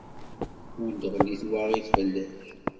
Ur d-tɣelli twaɣit fell-ak.